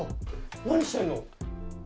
何してんの？